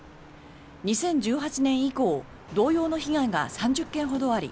２０１８年以降同様の被害が３０件ほどあり